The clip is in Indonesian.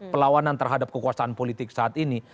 pelawanan terhadap kekuasaan politik saat ini